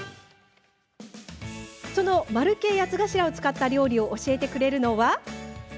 その丸系八つ頭を使った料理を教えてくれるのは。